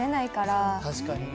確かにね。